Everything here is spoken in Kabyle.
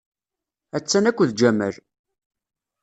Attan akked Jamal.